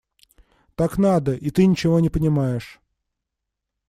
Так надо, и ты ничего не понимаешь.